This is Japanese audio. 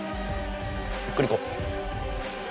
ゆっくり行こう！